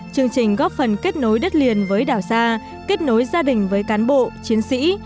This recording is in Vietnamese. chương trình góp phần kết nối đất liền với đảo xa kết nối gia đình với cán bộ chiến sĩ